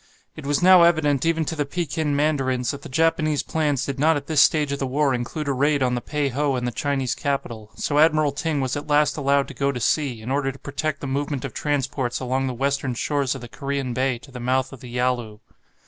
It was now evident even to the Pekin mandarins that the Japanese plans did not at this stage of the war include a raid on the Pei ho and the Chinese capital, so Admiral Ting was at last allowed to go to sea, in order to protect the movement of transports along the western shores of the Korean Bay to the mouth of the Yalu.